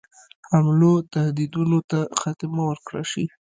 حملو تهدیدونو ته خاتمه ورکړه شي.